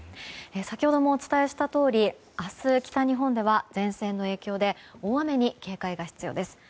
先ほどもお伝えしたとおり明日、北日本では前線の影響で大雨に警戒が必要です。